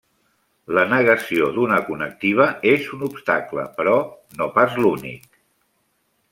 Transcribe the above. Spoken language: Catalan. La negació d'una connectiva és un obstacle, però no pas l'únic.